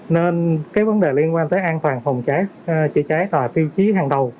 nên cái vấn đề liên quan tới an toàn phòng cháy chữa cháy là tiêu chí hàng đầu